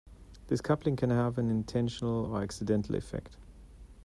This coupling can have an intentional or accidental effect.